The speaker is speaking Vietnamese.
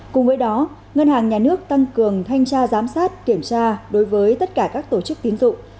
cùng với đó ngân hàng nhà nước tăng cường thanh tra giám sát kiểm tra đối với tất cả các tổ chức tín dụng